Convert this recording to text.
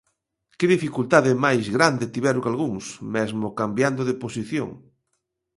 Que dificultade máis grande tiveron algúns, mesmo cambiando de posición.